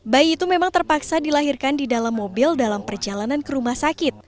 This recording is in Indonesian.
bayi itu memang terpaksa dilahirkan di dalam mobil dalam perjalanan ke rumah sakit